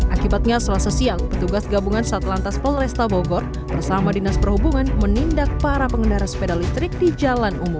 akibatnya selasa siang petugas gabungan satlantas polresta bogor bersama dinas perhubungan menindak para pengendara sepeda listrik di jalan umum